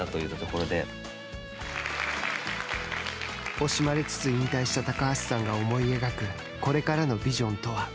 惜しまれつつ引退した高橋さんが思い描くこれからのビジョンとは。